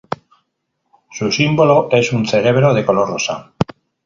Su símbolo es un cerebro de color rosa.